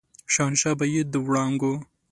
شهنشاه به يې د وړانګو